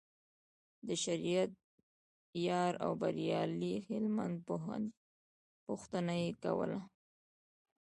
د شریعت یار او بریالي هلمند پوښتنه یې کوله.